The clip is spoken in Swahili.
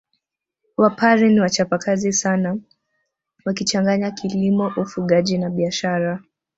Wapare ni wachapakazi sana wakichanganya kilimo ufugaji na biashara